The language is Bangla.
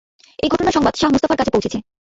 এই ঘটনার সংবাদ শাহ মুস্তাফার কাছে পৌঁছেছে।